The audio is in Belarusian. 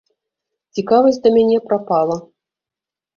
Цікавасць да мяне прапала.